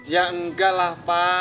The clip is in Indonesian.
ya enggak lah pak